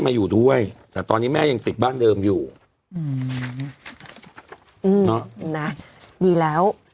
อยู่ด้วยแต่ตอนนี้แม่ยังติดบ้านเดิมอยู่อืมเนอะนะดีแล้ว